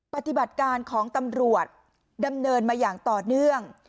ปฏิบัติการของตำรวจดำเนินมาอย่างต่อเนื่อง